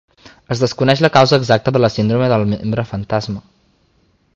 Es desconeix la causa exacta de la síndrome del membre fantasma.